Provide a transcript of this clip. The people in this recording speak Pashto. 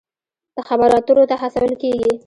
د خبرو اترو ته هڅول کیږي.